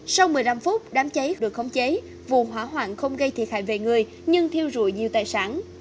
sau một mươi năm phút đám cháy được khống chế vụ hỏa hoạn không gây thiệt hại về người nhưng thiêu rụi nhiều tài sản